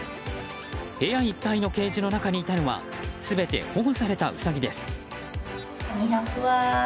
部屋いっぱいのケージの中にいたのは全て保護されたウサギです。